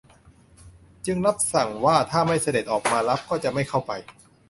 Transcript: จึงรับสั่งว่าถ้าไม่เสด็จออกมารับก็จะไม่เข้าไป